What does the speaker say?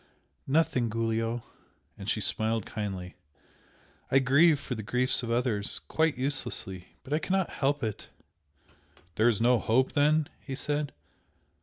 "Nothing, Giulio!" and she smiled kindly "I grieve for the griefs of others quite uselessly! but I cannot help it!" "There is no hope, then?" he said.